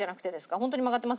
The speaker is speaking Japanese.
本当に曲がってます？